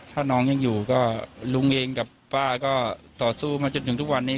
ถ้าน้องยังอยู่ก็ลุงเองกับป้าก็ต่อสู้มาจนถึงทุกวันนี้